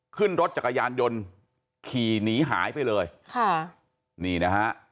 ขึ้นรถจักรยานยนต์ขี่หนีหายไปเลยค่ะนี่นะฮะ